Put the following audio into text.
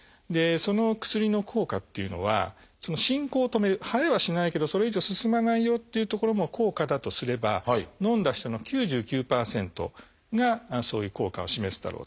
その薬の効果っていうのは進行を止める生えはしないけどそれ以上進まないよというところの効果だとすればのんだ人の９９％がそういう効果を示すだろうと。